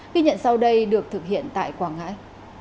ghi nhận sau đây được thực hiện tại quảng ngãi